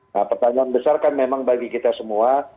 nah pertanyaan besar kan memang bagi kita semua